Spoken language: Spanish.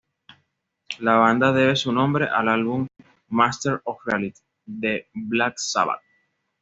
La banda debe su nombre al álbum "Master of Reality" de Black Sabbath.